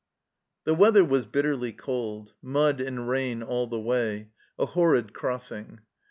The weather was bitterly cold ; mud and rain all the way a horrid crossing.